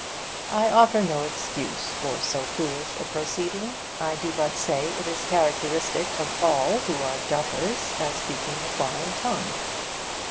I offer no excuse for so foolish a proceeding. I do but say it is characteristic of all who are duffers at speaking a foreign tongue.